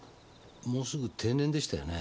もうすぐ定年でしたよね？